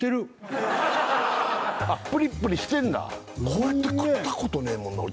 あっプリプリしてんだこうやって食ったことねえもんな